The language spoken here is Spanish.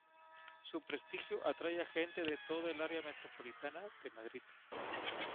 Su prestigio atrae a gentes de toda el área metropolitana de Madrid.